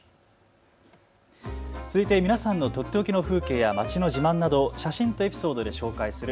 続いて皆さんのとっておきの風景や街の自慢などを写真とエピソードで紹介する＃